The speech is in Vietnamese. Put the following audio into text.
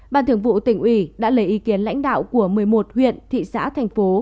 ban thường vụ tỉnh ủy đã lấy ý kiến lãnh đạo của một mươi một huyện thị xã thành phố